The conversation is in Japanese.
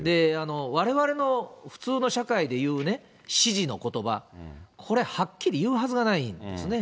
われわれの普通の社会で言うね、指示のことば、これ、はっきり言うはずがないんですね。